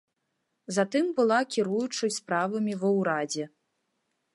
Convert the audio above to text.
Затым была кіруючай справамі ва ўрадзе.